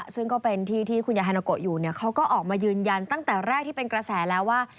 ซึ่งก็เป็นที่ที่คุณยายฮานาโกะอยู่เขาก็ออกมายืนยันตั้งแต่แรกที่เป็นกระแสแล้วว่า